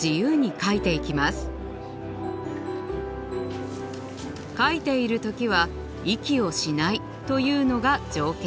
描いている時は息をしないというのが条件。